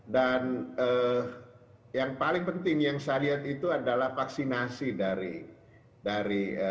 dan yang paling penting yang saya lihat itu adalah vaksinasi dari